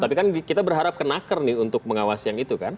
tapi kan kita berharap ke naker nih untuk mengawasi yang itu kan